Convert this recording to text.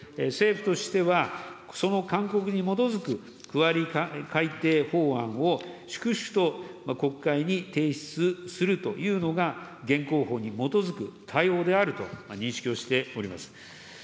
政府としては、その勧告に基づく区割り改定法案を粛々と国会に提出するというのが現行法に基づく対応であると認識をしております。